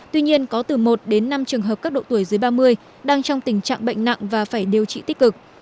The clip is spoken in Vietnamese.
tuy nhiên có từ một đến năm trường hợp các độ tuổi dưới ba mươi đang trong tình trạng bệnh nặng và phải điều trị tích cực